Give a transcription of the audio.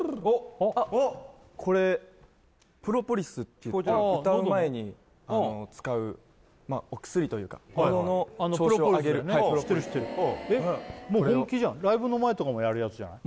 あっこれプロポリスっていって歌う前に使うまあお薬というかもう本気じゃんライブの前とかもやるやつじゃない？